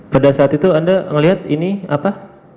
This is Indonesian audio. pada saat itu anda melihat ini apa